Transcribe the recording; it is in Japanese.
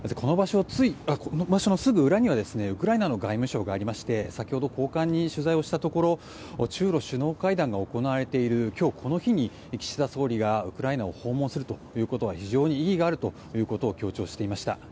この場所のすぐ裏にはウクライナの外務省がありまして先ほど、高官に取材をしたところ中ロ首脳会談が行われている今日、この日に岸田総理がウクライナを訪問するということは非常に意義があると強調していました。